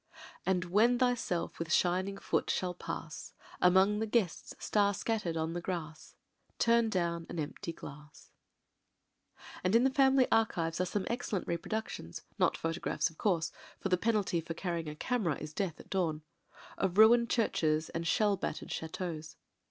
And when Thyself with shining Foot shall pass Among the Guests star scatter'd on the Grass, turn down an empty Glass. ••••• And in the family archives are some excellent re productions — not photographs of course, for the pen alty for carrying a camera is death at dawn— of ruined churches and shell battered chateaux.